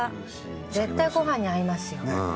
絶対ごはんに合いますよ。